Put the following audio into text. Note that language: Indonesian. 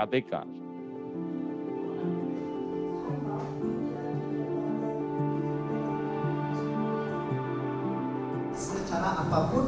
kepada kesehatan keadaan dan keamanan